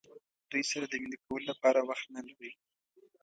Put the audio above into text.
دوی سره د مینې کولو لپاره وخت نه لرئ.